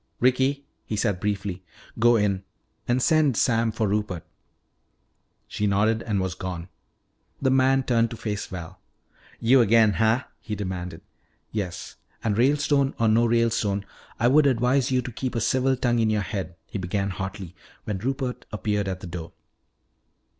"Ricky," he said briefly, "go in. And send Sam for Rupert." She nodded and was gone. The man turned to face Val. "You again, huh?" he demanded. "Yes. And Ralestone or no Ralestone, I would advise you to keep a civil tongue in your head," he began hotly, when Rupert appeared at the door.